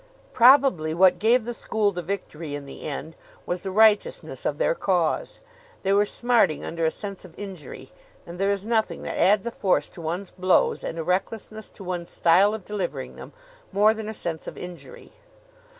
Probably what gave the school the victory in the end was the righteousness of their cause. They were smarting under a sense of injury, and there is nothing that adds a force to one's blows and a recklessness to one's style of delivering them more than a sense of injury.